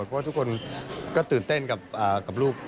เพราะว่าทุกคนก็ตื่นเต้นกับลูก